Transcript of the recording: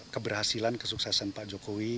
keberhasilan kesuksesan pak jokowi